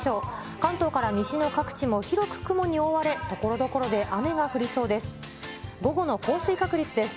関東から西の各地も広く雲に覆われ、ところどころで雨が降りそうです。